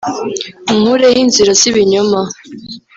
Unkureho inzira zibinyoma